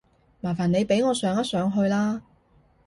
麻煩你俾我上一上去啦